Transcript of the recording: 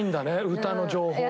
歌の情報が。